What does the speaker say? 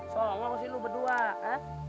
soalnya harus lu berdua ha